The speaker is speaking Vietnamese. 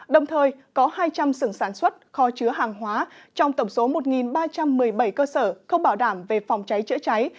đồng thời có hai trăm linh sường sản xuất kho chứa hàng hóa trong tổng số một ba trăm một mươi bảy cơ sở không bảo đảm về phòng cháy chữa cháy